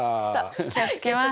気を付けます。